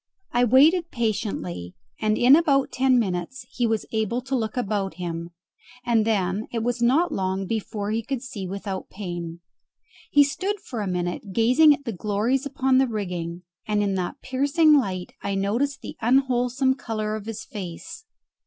I waited patiently, and in about ten minutes he was able to look about him, and then it was not long before he could see without pain. He stood a minute gazing at the glories upon the rigging, and in that piercing light I noticed the unwholesome colour of his face.